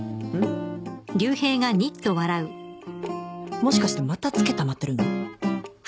もしかしてまた付けたまってるの？